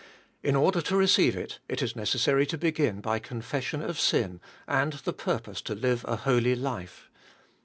In order to receive it it is necessary to begin by confession of sira. and the purpose to five a holy life.